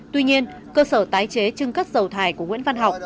tuy nhiên cơ sở tái chế trưng cất dầu thải của nguyễn văn học